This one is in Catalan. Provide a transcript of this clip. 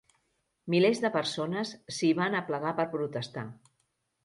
Milers de persones s'hi van aplegar per protestar.